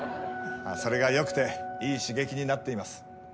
まあそれが良くていい刺激になっています。